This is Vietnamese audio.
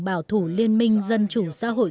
bảo thủ liên minh dân chủ xã hội